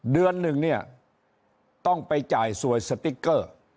เดือนหนึ่งเนี่ยต้องไปจ่ายสวยสติ๊กเกอร์